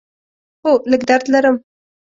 هو، لږ درد لرم